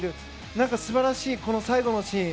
何か素晴らしい最後のシーン。